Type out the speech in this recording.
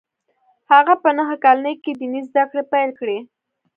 هغه په نهه کلنۍ کې ديني زده کړې پیل کړې